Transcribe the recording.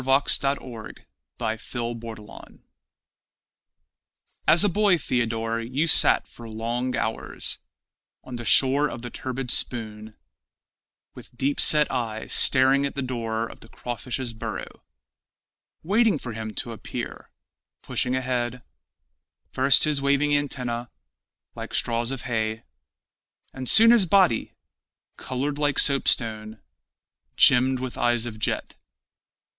Theodore the Poet As a boy, Theodore, you sat for long hours On the shore of the turbid Spoon With deep set eye staring at the door of the crawfish's burrow, Waiting for him to appear, pushing ahead, First his waving antennæ, like straws of hay, And soon his body, colored like soap stone, Gemmed with eyes of jet.